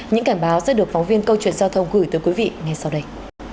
những cảnh báo sẽ được phóng viên câu chuyện giao thông gửi tới quý vị ngay sau đây